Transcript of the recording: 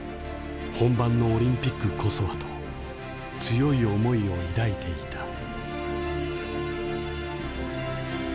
本番のオリンピックこそはと強い思いを抱いていた。